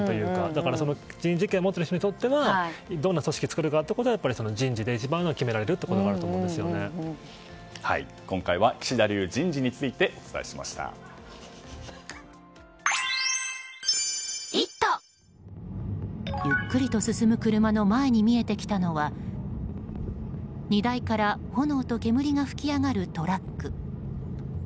だから人事権を持っている人にとってはどんな組織を作るかは人事で一番決められるということが今回は岸田流人事についてゆっくりと進む車の前に見えてきたのは荷台から炎と煙が噴き上がるトラック。